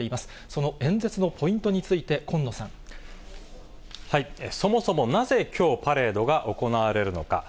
その演説のポイントについて、そもそも、なぜきょう、パレードが行われるのか。